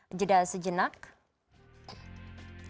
dan bagi kita kita akan mengirimkan kapal kemanusiaan